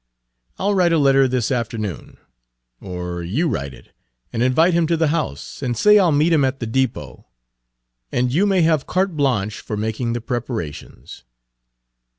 I 'll write a letter this afternoon or you write it, and invite him to the house, and say I'll meet him at the depot. And you may have carte blanche for making the preparations."